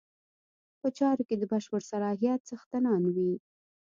په چارو کې د بشپړ صلاحیت څښتنان وي.